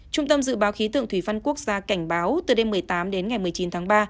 trung tâm dự báo khí tượng thủy văn quốc gia cảnh báo từ đêm một mươi tám đến ngày một mươi chín tháng ba